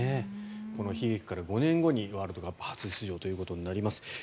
この悲劇から５年後にワールドカップ初出場ということになります。